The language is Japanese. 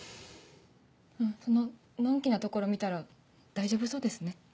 そののんきなところ見たら大丈夫そうですね。